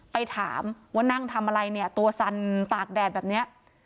ไปถามว่านั่งทำอะไรเนี่ยตัวสั่นตากแดดแบบเนี้ย